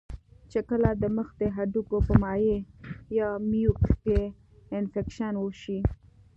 چې کله د مخ د هډوکو پۀ مائع يا ميوکس کې انفکشن اوشي